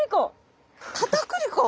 かたくり粉！